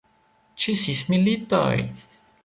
Ĉesis militoj!